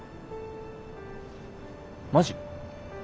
マジ？